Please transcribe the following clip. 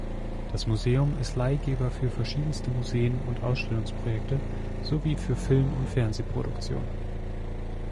Das Museum ist Leihgeber für verschiedenste Museen und Ausstellungsprojekte sowie für Film- und Fernsehproduktionen.